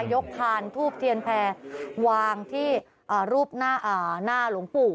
ยกทางทูปเทียนแผลวางที่รูปหน้าหลวงปู่